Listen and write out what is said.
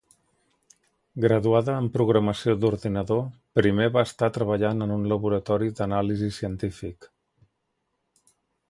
Graduada en programació d'ordinador, primer va estar treballant en un laboratori d'anàlisi científic.